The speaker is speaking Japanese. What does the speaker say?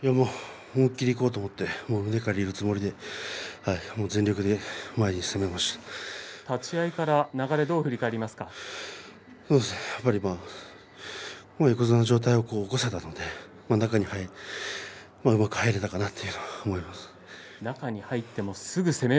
思い切りいこうという胸を借りるつもりで立ち合いから流れやっぱり横綱の上体を起こせたので中にうまく入れたかなと思います。